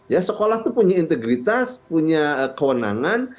ya sekolah itu punya integritas punya kewenangan